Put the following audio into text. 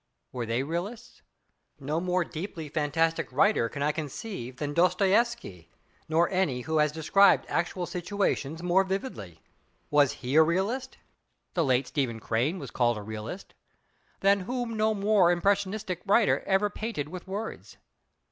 Were they realists? No more deeply fantastic writer can I conceive than Dostoievsky, nor any who has described actual situations more vividly. Was he a realist? The late Stephen Crane was called a realist. Than whom no more impressionistic writer ever painted with words.